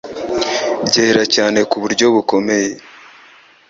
Byera cyane ku buryo bukomeye